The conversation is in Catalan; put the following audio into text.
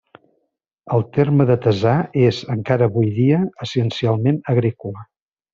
El terme de Tesà és, encara avui dia, essencialment agrícola.